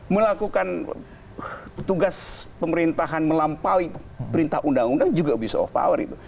melakukan tugas pemerintahan melampaui perintah undang undang juga abuse of power itu